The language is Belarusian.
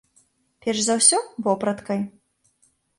Перш за ўсё, вопраткай.